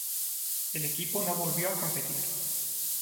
El equipo no volvió a competir.